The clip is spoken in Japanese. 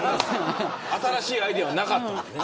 新しいアイデアはなかったんですね。